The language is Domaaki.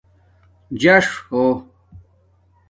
جاݽ ہو